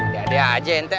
gak ada aja ente